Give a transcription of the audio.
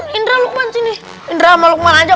bingung sendiri angza